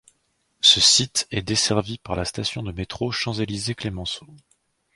Ce site est desservi par la station de métro Champs-Élysées - Clemenceau.